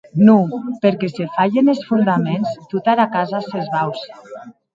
Non, perque se falhen es fondaments, tota era casa s'esbauce.